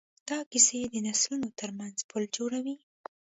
دا کیسې د نسلونو ترمنځ پل جوړوي.